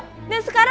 aku borong suantara